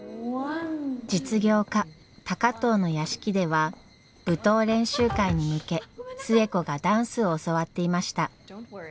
実業家高藤の屋敷では舞踏練習会に向け寿恵子がダンスを教わっていました。